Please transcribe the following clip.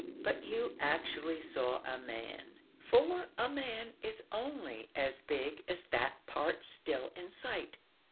But you actually saw a man, for a man is only as big as that part still in sight.